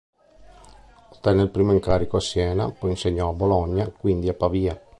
Ottenne il primo incarico a Siena, poi insegnò a Bologna, quindi a Pavia.